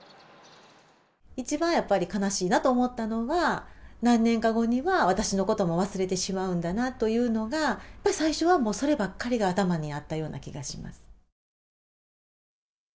一番やっぱり悲しいなと思ったのは、何年か後には私のことも忘れてしまうんだなというのが、やっぱり最初はもうそればっかりが頭にあったような気がします。